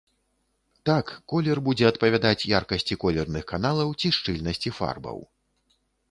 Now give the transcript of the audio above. Так, колер будзе адпавядаць яркасці колерных каналаў ці шчыльнасці фарбаў.